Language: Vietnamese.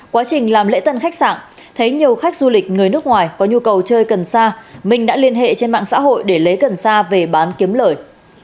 quá trình làm lễ tân khách sạn thấy nhiều khách du lịch người nước ngoài có nhu cầu chơi cần sa minh đã liên hệ trên mạng xã hội để lấy cần sa về bán kiếm lời